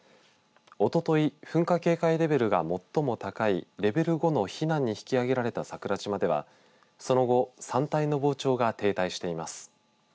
おととい噴火警戒レベルが最も高いレベル５の避難に引き上げられた桜島ではその後、山体の膨張が停滞しています。